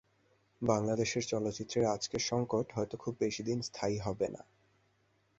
বাংলাদেশের চলচ্চিত্রের আজকের সংকট হয়তো খুব বেশি দিন স্থায়ী হবে না।